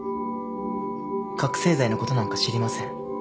覚醒剤のことなんか知りません。